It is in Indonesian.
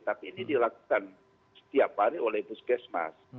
tapi ini dilakukan setiap hari oleh puskesmas